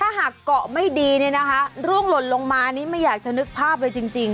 ถ้าหากเกาะไม่ดีเนี่ยนะคะร่วงหล่นลงมานี่ไม่อยากจะนึกภาพเลยจริง